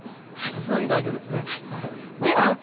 さすがに大丈夫ですね。